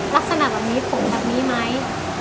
ลักษณะแบบนี้ผมแบบนี้ไหม